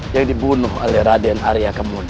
yang dibunuh oleh raden arya kemudian